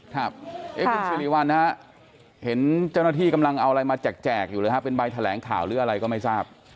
ครับคุณสิริวัลฮะเห็นเจ้าหน้าที่กำลังเอาอะไรมาแจกอยู่เลยฮะเป็นใบแถลงข่าวหรืออะไรก็ไม่ทราบ